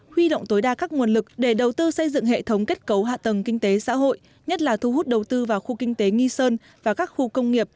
huy động tối đa các nguồn lực để đầu tư xây dựng hệ thống kết cấu hạ tầng kinh tế xã hội nhất là thu hút đầu tư vào khu kinh tế nghi sơn và các khu công nghiệp